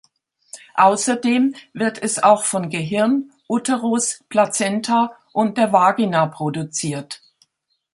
Außerdem wird es auch von Gehirn, Uterus, Plazenta und der Vagina produziert.